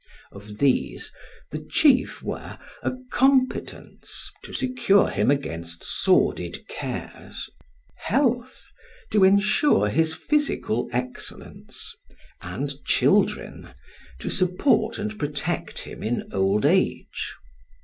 Of these the chief were, a competence, to secure him against sordid cares, health, to ensure his physical excellence, and children, to support and protect him in old age.